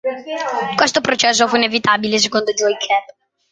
Questo processo fu inevitabile secondo Joey Cape.